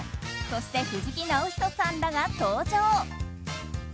そして、藤木直人さんらが登場。